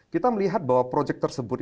kita melihat bahwa proyek tersebut